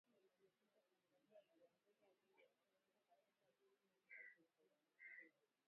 Wiki iliyopita, Tanzania iliongeza bei ya mafuta katika vituo vya kuuzia mafuta